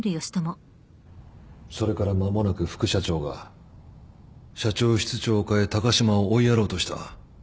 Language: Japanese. それから間もなく副社長が社長室長を代え高島を追いやろうとした。